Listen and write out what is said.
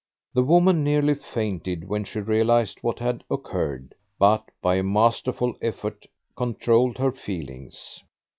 The woman nearly fainted when she realized what had occurred, but, by a masterful effort, controlled her feelings.